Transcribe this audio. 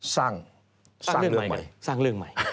สร้างเรื่องใหม่